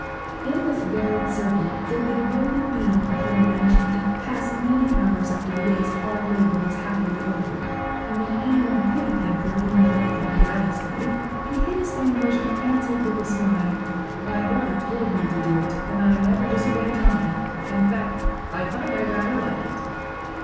In this varied circle did the devoted being afore mentioned pass many hours after the day's hard labour was happily over, and when anyone pitied him for leading the life of a galley slave, he hid his anguish and answered with a smile, 'My brother told me to do it, and I never disobey Tom. In fact, I find I rather like it.'